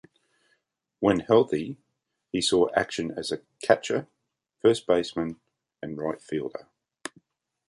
When healthy, he saw action as a catcher, first baseman, and right fielder.